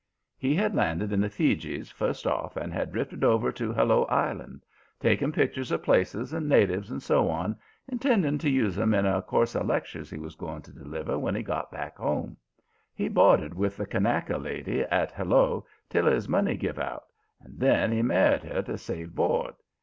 He had landed in the Fijis first off and had drifted over to Hello Island, taking pictures of places and natives and so on, intending to use 'em in a course of lectures he was going to deliver when he got back home. He boarded with the Kanaka lady at Hello till his money give out, and then he married her to save board.